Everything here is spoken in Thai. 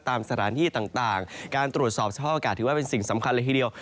ตามสถานที่ต่างการตรวจสอบสภาพอากาศถือว่าเป็นสิ่งสำคัญเลยทีเดียว